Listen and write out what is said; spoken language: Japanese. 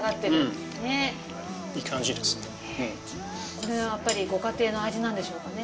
それはやっぱりご家庭の味なんでしょうかね？